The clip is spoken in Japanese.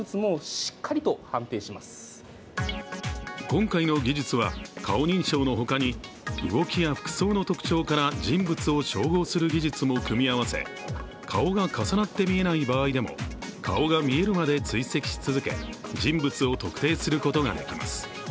今回の技術は、顔認証の他に、動きや服装の特徴から人物を照合する技術も組み合わせ顔が重なって見えない場合でも顔が見えるまで追跡し続け人物を特定することができます。